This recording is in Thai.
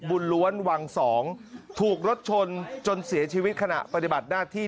ล้วนวังสองถูกรถชนจนเสียชีวิตขณะปฏิบัติหน้าที่